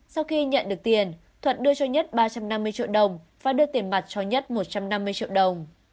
sau khi nhận được tiền thuận đưa cho nhất ba trăm năm mươi triệu đồng và đưa tiền mặt cho nhất một trăm năm mươi triệu đồng